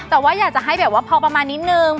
แต่อยากจะให้พอประมาณนิดนึง